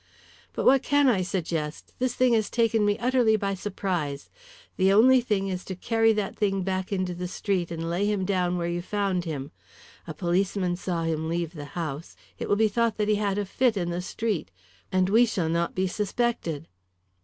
"But what can I suggest? This thing has taken me utterly by surprise. The only thing is to carry that thing back into the street and lay him down where you found him. A policeman saw him leave the house. It will be thought that he had a fit in the street, and we shall not be suspected."